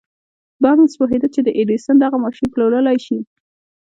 بارنس پوهېده چې د ايډېسن دغه ماشين پلورلای شي.